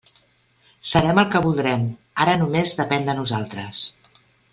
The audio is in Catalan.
Serem el que voldrem, ara només depèn de nosaltres.